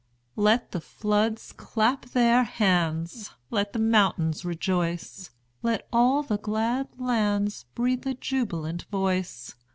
Let the floods clap their hands! Let the mountains rejoice! Let all the glad lands Breathe a jubilant voice!